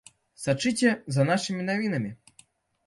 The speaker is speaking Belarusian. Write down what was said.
Сачыце за нашымі навінамі!